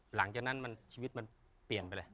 หลังจากนั้นชีวิตมันเปลี่ยนไปเลย